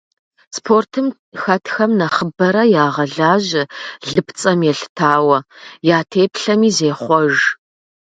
Спортым хэтхэм нэхъыбэрэ ягъэлажьэ лыпцӏэм елъытауэ я теплъэми зехъуэж.